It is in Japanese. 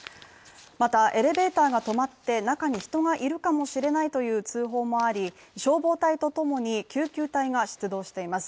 また、エレベーターが止まって中に人がいるかもしれないという通報もあり、消防隊とともに救急隊が出動しています。